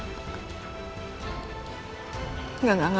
tidak tidak tidak bisa